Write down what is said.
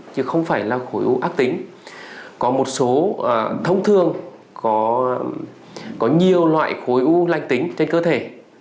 có một số thông thường có nhiều loại khối u lành tính trên cơ thể